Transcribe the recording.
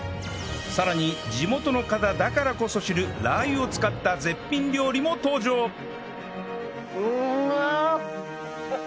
さらに地元の方だからこそ知るラー油を使ったうめえ！